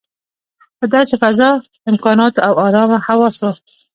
په داسې فضا، امکاناتو او ارامه حواسو.